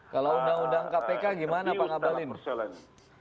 kalau undang undang kpk gimana pak ngabalin